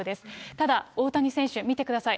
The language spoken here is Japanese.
ただ大谷選手、見てください。